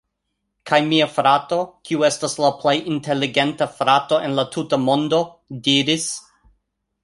Kaj mia frato, kiu estas la plej inteligenta frato en la tuta mondo... diris: